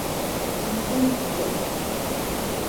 Pishintsite.